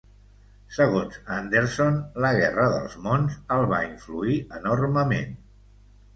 Segons Anderson, "La guerra dels mons" el va influir enormement.